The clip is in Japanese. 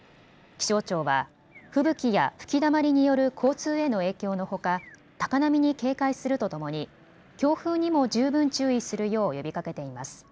気象庁は吹雪や吹きだまりによる交通への影響のほか高波に警戒するとともに強風にも十分注意するよう呼びかけています。